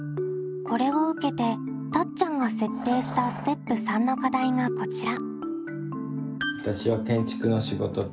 これを受けてたっちゃんが設定したステップ③の課題がこちら。